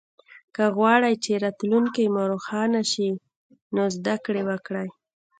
که غواړی چه راتلونکې مو روښانه شي نو زده ګړې وکړئ